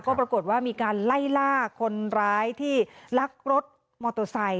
ก็ปรากฏว่ามีการไล่ล่าคนร้ายที่ลักรถมอเตอร์ไซค